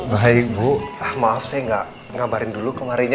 baik bu maaf saya gak ngabarin dulu kemarinnya